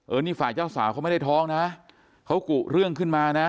อันนี้ฝ่ายเจ้าสาวเขาไม่ได้ท้องนะเขากุเรื่องขึ้นมานะ